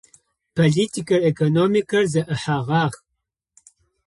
Политикэр, экономикэр зэӏыхьагъэх.